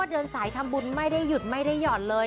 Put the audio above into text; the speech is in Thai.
เดินสายทำบุญไม่ได้หยุดไม่ได้หย่อนเลย